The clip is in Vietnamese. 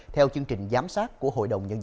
theo chương trình giám sát của hnth